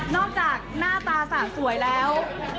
จากหน้าตาสะสวยแล้ว